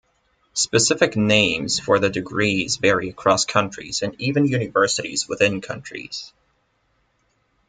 Specific names for the degrees vary across countries, and even universities within countries.